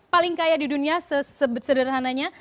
paling kaya di dunia sederhananya